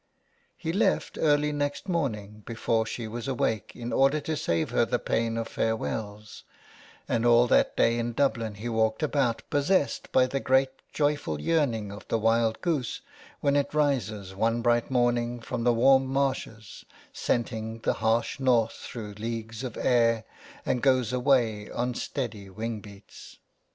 He left early next morning before she was awake in order to save her the pain of farewells, and all that day in Dublin he walked about, possessed by the great joyful yearning of the wild goose when it rises one bright morning from the warm marshes, scenting the harsh north through leagues of air, and goes away on steady wing beats.